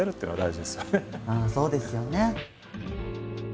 そうですよね。